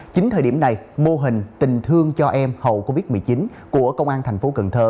chính thời điểm này mô hình tình thương cho em hậu covid một mươi chín của công an thành phố cần thơ